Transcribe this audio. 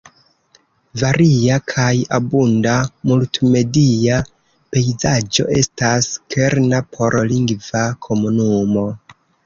Varia kaj abunda multmedia pejzaĝo estas kerna por lingva komunumo.